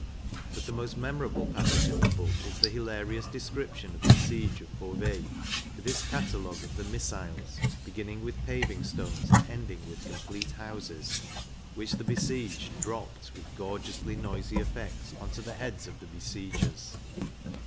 But the most memorable passage in the book is the hilarious description of the siege of Beauvais, with its catalogue of the missiles (beginning with paving stones and ending with complete houses), which the besieged dropped with gorgeously noisy effects on to the heads of the besiegers.